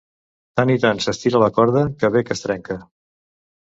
Tant i tant s'estira la corda, que ve que es trenca.